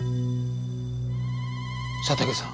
佐竹さん。